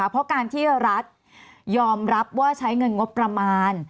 เพราะการที่รัฐยอมรับว่าใช้เงินงบประมาณ